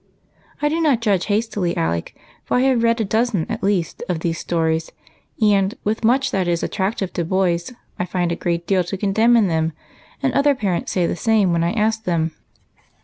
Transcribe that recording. I do not judge hastily. Alec, for I have read a dozen, at least, of these stories, and, with much that is attractive to boys, I find a great deal to condemn in them, and other parents say the same when I ask them."